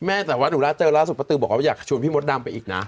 แม่แต่ว่าหนูเจอราซุปลติุบอกว่าอยากชวนพี่มดดำไปอีกนะ